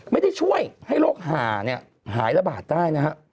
ไม่ได้ช่วยให้โรคหาเนี่ยหายระบาดได้นะฮะ